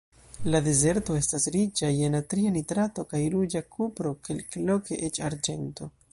La dezerto estas riĉa je natria nitrato kaj ruĝa kupro, kelkloke eĉ arĝento.